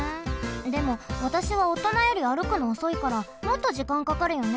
でもわたしはおとなより歩くのおそいからもっと時間かかるよね。